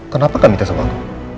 kenapa kan minta sama aku